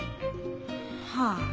はあ。